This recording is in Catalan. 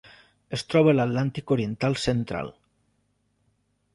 Es troba a l'Atlàntic oriental central: